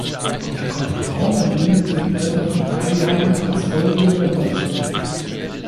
Jakob Braun erblindete im Alter von drei Jahren als Folge der Blattern.